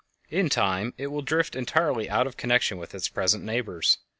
In time it will drift entirely out of connection with its present neighbors.